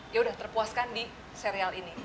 ya sudah terpuaskan di serial ini